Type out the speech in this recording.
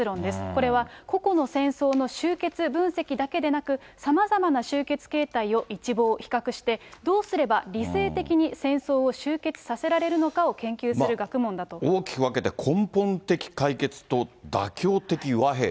これは、個々の戦争の終結分析だけでなく、さまざまな終結形態を一望・比較して、どうすれば理性的に戦争を終結させられるのかを研究する学問だと。大きく分けて、根本的解決と妥協的和平。